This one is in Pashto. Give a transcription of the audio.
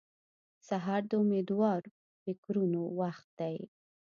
سهار د امېدوار فکرونو وخت دی.